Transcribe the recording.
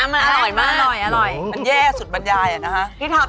มันสุดบรรยายครับ